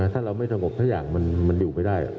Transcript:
ถ้าเราไม่สงบสักอย่างมันอยู่ไม่ได้